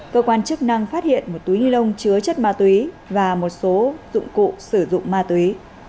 cơ quan chức năng phát hiện một túi ni lông chứa chất ma túy và một số dụng cụ sử dụng ma túy